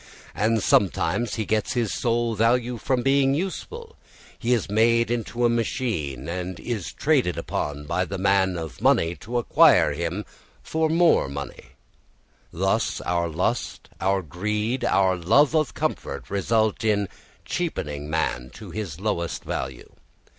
And sometimes he gets his sole value from being useful; he is made into a machine, and is traded upon by the man of money to acquire for him more money. Thus our lust, our greed, our love of comfort result in cheapening man to his lowest value.